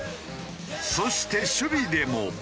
そして守備でも。